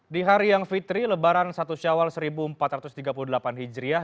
di hari yang fitri lebaran satu syawal seribu empat ratus tiga puluh delapan hijriah